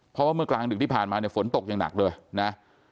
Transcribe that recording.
เพราะว่าเมื่อกลางดึกที่ผ่านมาเนี่ยฝนตกอย่างหนักเลยนะ